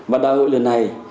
và đại hội lần này